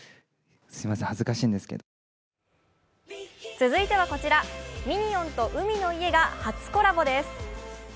続いてはこちら、ミニオンと海の家が初コラボです。